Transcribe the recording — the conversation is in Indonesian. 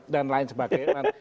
dan lain sebagainya